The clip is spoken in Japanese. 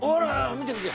見て見て！